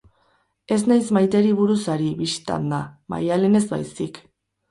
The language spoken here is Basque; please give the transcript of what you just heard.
Ez naiz Maiteri buruz ari, bistan da, Maialenez baizik.